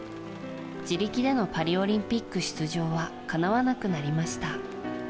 自力でのパリオリンピック出場はかなわなくなりました。